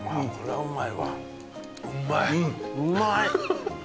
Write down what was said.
うまい。